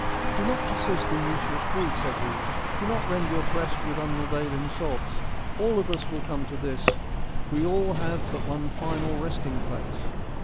' Do not persist in useless grief/ said he, ' do not rend your breast with un availing sobs ; all of us will come to this ; we all have but one final resting place.'